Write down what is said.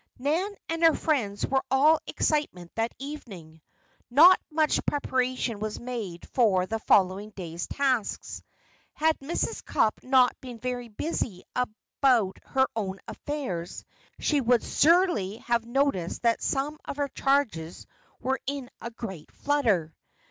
Nan and her friends were all excitement that evening. Not much preparation was made for the following day's tasks. Had Mrs. Cupp not been very busy about her own affairs, she would surely have noticed that some of her charges were in a great flutter.